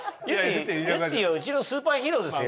ゆってぃはうちのスーパーヒーローですよ。